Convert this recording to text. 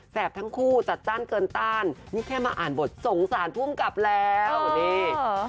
ทั้งคู่จัดจ้านเกินต้านนี่แค่มาอ่านบทสงสารภูมิกับแล้วนี่